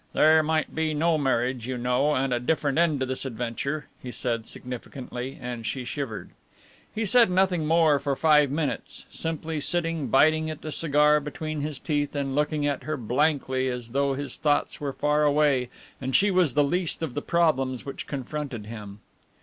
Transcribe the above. There might be no marriage, you know, and a different end to this adventure," he said, significantly, and she shivered. He said nothing more for five minutes, simply sitting biting at the cigar between his teeth and looking at her blankly, as though his thoughts were far away and she was the least of the problems which confronted him.